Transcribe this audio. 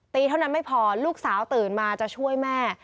เท่านั้นไม่พอลูกสาวตื่นมาจะช่วยแม่